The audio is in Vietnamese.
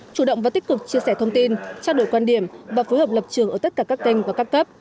chủ động và tích cực chia sẻ thông tin trao đổi quan điểm và phối hợp lập trường ở tất cả các kênh và các cấp